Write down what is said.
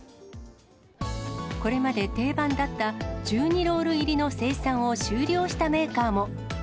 これまで定番だった１２ロール入りの生産を終了したメーカーも。